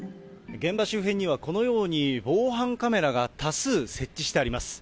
現場周辺にはこのように、防犯カメラが多数設置してあります。